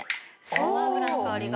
ごま油の香りが。